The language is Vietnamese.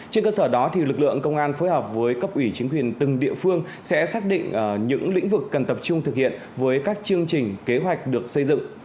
trên cơ sở đó lực lượng công an phối hợp với cấp ủy chính quyền từng địa phương sẽ xác định những lĩnh vực cần tập trung thực hiện với các chương trình kế hoạch được xây dựng